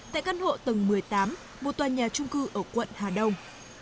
tại căn hộ tầng một mươi tám một tòa nhà trung cư ở quận hà đông